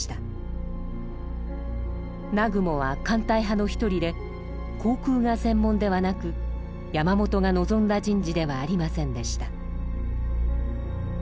南雲は艦隊派の一人で航空が専門ではなく山本が望んだ人事ではありませんでした。